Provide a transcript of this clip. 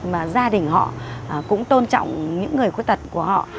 mà gia đình họ cũng tôn trọng những người khuyết tật của họ